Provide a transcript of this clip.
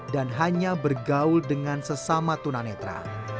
dan hanya bergaul dengan sesama tuna netra